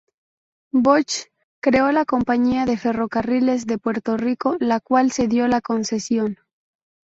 Bosch creó la Compañía de Ferrocarriles de Puerto Rico, la cual cedió la concesión.